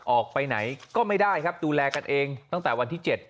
ออกไปไหนก็ไม่ได้ครับดูแลกันเองตั้งแต่วันที่๗